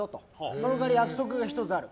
その代わり、約束が１つある。